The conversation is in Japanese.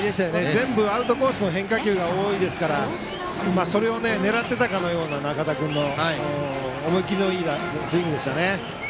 全部アウトコースの変化球が多いですからそれを狙っていたかのような仲田君の思い切りのいいスイングでしたね。